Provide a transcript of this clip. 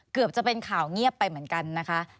เกือบจะเป็นข่าวเงียบไปเหมือนกันนะคะ